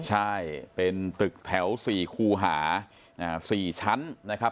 ใช่เป็นตึกแถว๔คูหา๔ชั้นนะครับ